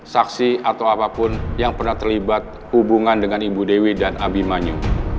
saksi atau apapun yang pernah terlibat hubungan dengan ibu dewi dan abimanyu